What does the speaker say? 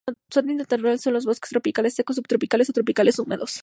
Su hábitat natural son los bosques tropicales secos, subtropicales o tropicales húmedos.